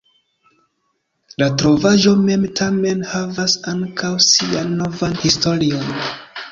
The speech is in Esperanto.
La trovaĵo mem, tamen, havas ankaŭ sian novan historion.